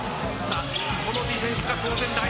さあこのディフェンスが当然大事。